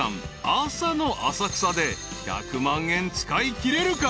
朝の浅草で１００万円使いきれるか？］